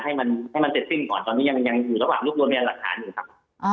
ให้มันก้อนให้มันเจ็บซึ่งก่อนยังรวบรวมหลักฐานหนึ่งครับ